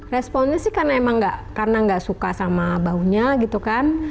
responnya sih karena emang karena nggak suka sama baunya gitu kan